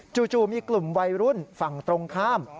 จู่มีกลุ่มวัยรุ่นฝั่งตรงข้าม